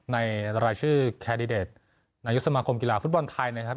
รายชื่อแคนดิเดตนายกสมาคมกีฬาฟุตบอลไทยนะครับ